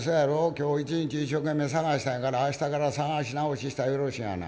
今日一日一生懸命捜したんやから明日から捜し直ししたらよろしいがな。